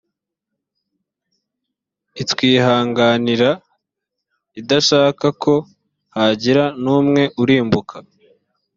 itwihanganira idashaka ko hagira n umwe urimbuka